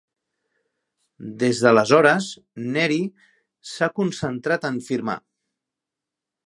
Des d'aleshores Neary s'ha concentrat en firmar.